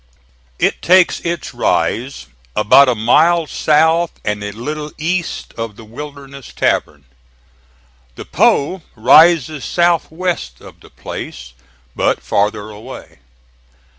It takes its rise about a mile south and a little east of the Wilderness Tavern. The Po rises south west of the place, but farther away.